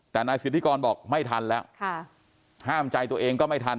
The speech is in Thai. แต่นายสิทธิกรบอกไม่ทันแล้วห้ามใจตัวเองก็ไม่ทัน